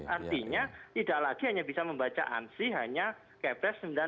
artinya tidak lagi hanya bisa membaca ansi hanya ke pres sembilan puluh lima